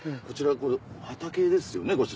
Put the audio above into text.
こちら畑ですよね。